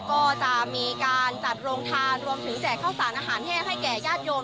ก็จะมีการจัดโรงทานรวมถึงแจกข้าวสารอาหารแห้งให้แก่ญาติโยม